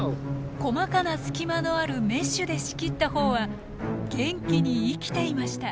細かな隙間のあるメッシュで仕切った方は元気に生きていました。